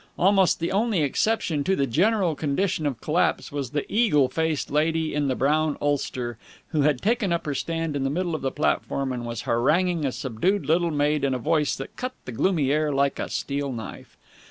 Almost the only exception to the general condition of collapse was the eagle faced lady in the brown ulster, who had taken up her stand in the middle of the platform and was haranguing a subdued little maid in a voice that cut the gloomy air like a steel knife.